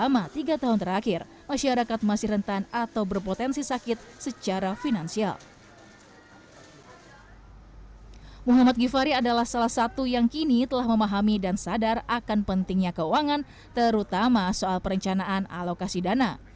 muhammad givhary adalah salah satu yang kini telah memahami dan sadar akan pentingnya keuangan terutama soal perencanaan alokasi dana